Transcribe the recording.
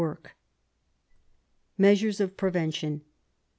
Measuees of Prevention.